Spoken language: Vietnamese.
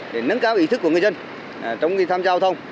để nâng cao ý thức của người dân trong khi tham gia hòa thông